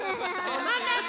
おまたせ！